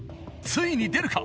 ついに出るか？